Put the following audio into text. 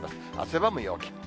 汗ばむ陽気。